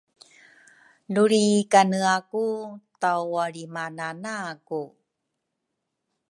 Lu lri kanea ku tawalrimana naku